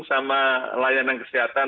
sama layanan kesehatan